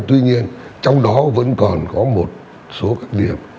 tuy nhiên trong đó vẫn còn có một số các điểm